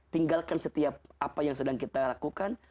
tinggalkan setiap apa yang sedang kita lakukan